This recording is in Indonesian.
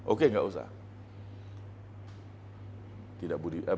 oke nggak usah